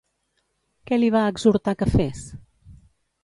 Què li va exhortar que fes?